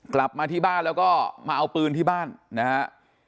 กลับมาที่บ้านแล้วก็มาเอาปืนที่บ้านนะฮะ